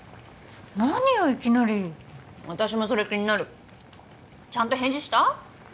何よいきなり私もそれ気になるちゃんと返事した？